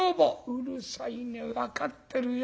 「うるさいね分かってるよ。